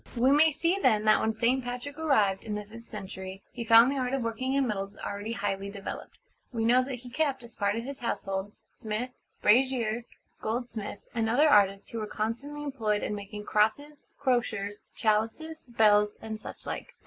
We may see then that when St. Patrick arrived, in the fifth century, he found the art of working in metals already highly developed. We know that he kept, as part of his household, smiths, brasiers, goldsmiths, and other artists, who were constantly employed in making crosses; crosiers; chalices; bells; and such like.